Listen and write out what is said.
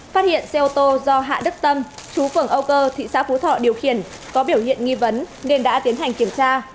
phát hiện xe ô tô do hạ đức tâm chú phường âu cơ thị xã phú thọ điều khiển có biểu hiện nghi vấn nên đã tiến hành kiểm tra